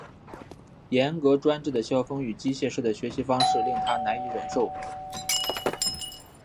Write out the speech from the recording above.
严格专制的校风与机械式的学习方式令他难以忍受。